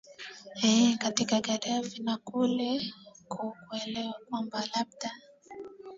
ee kati ya gadaffi na kule ku kuelewa kwamba labda